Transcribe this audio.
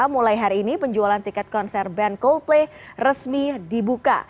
mulai hari ini penjualan tiket konser band coldplay resmi dibuka